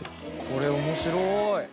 これ面白い。